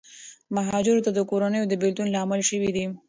مهاجرتونه د کورنیو د بېلتون لامل شوي دي.